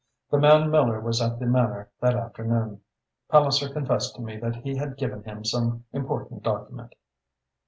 The man Miller was at the Manor that afternoon. Palliser confessed to me that he had given him some important document."